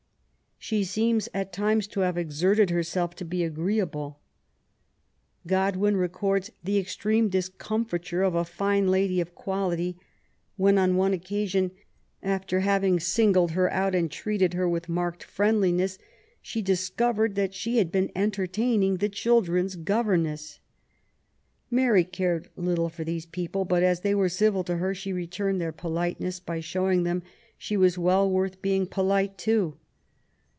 She seems at times to have exerted herself to be agreeable. Godwin records the extreme discomfiture of a fine lady of quality, when, on one occasion, after having singled her out and treated her with marked friendliness, she dis covered that she had been entertaining the children's governess I Mary cared nothing for these people, but as they were civil to her, she returned their politeness by showing them she was well worth being polite LIFE A8 G0VEBNE88. 61> to.